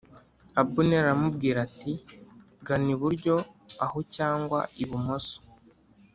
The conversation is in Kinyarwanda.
Abuneri aramubwira ati “Gana iburyo aho cyangwa ibumoso